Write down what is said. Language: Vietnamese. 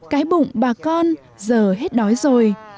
cái bụng bà con giờ hết đói rồi